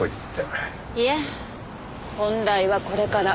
いえ本題はこれから。